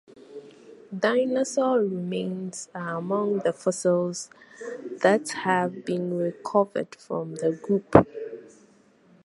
Dinosaur remains are among the fossils that have been recovered from the group.